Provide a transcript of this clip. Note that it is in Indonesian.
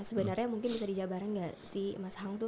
sebenarnya mungkin bisa dijabarin gak sih mas hang tuh